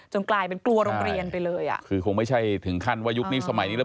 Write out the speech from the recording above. กลายเป็นกลัวโรงเรียนไปเลยอ่ะคือคงไม่ใช่ถึงขั้นว่ายุคนี้สมัยนี้แล้ว